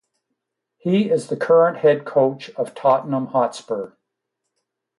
He is the current head coach of Tottenham Hotspur.